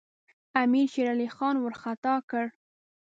امیر شېرعلي خان وارخطا کړ.